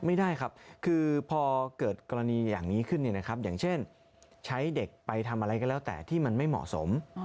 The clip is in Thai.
ไม่ได้ครับคือพอเกิดกรณีอย่างนี้ขึ้นอย่างเช่นใช้เด็กไปทำอะไรก็แล้วแต่ที่มันไม่เหมาะสม